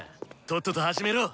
とっとと始めろ。